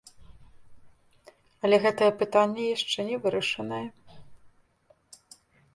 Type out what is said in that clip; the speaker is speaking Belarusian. Але гэтае пытанне яшчэ не вырашанае.